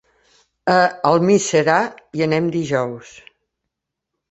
A Almiserà hi anem dijous.